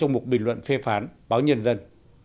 một bình luận phê phán báo nhân dân